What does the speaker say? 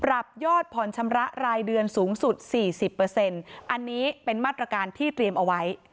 ปรับยอดผ่อนชำระรายเดือนสูงสุดสี่สิบเปอร์เซ็นต์อันนี้เป็นมาตรการที่เตรียมเอาไว้